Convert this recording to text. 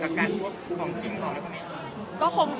กับการพวกของทิ้งของและคุณเนี่ย